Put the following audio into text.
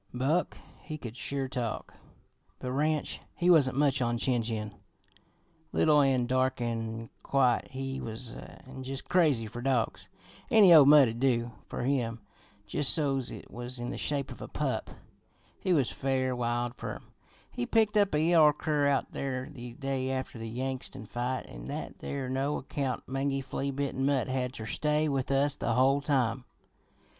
"Buck, he could sure talk, but Ranch, he wasn't much on chin chin. Little an' dark an' quiet he was, an' jus' crazy fer dogs. Any old mutt'd do fer him jus' so's it was in the shape of a pup. He was fair wild fer 'em. He picked up a yeller cur out there the day after the Yangtsin fight, an' that there no account, mangy, flea bitten mutt had ter stay with us the whole time.